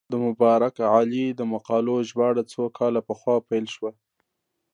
د مبارک علي د مقالو ژباړه څو کاله پخوا پیل شوه.